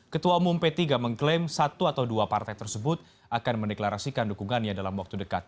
ketua umum p tiga mengklaim satu atau dua partai tersebut akan mendeklarasikan dukungannya dalam waktu dekat